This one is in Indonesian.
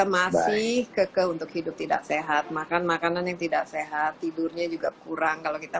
masih keke untuk hidup tidak sehat makan makanan yang tidak sehat tidurnya juga kurang kalau kita